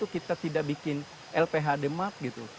kita tidak bikin lphd map gitu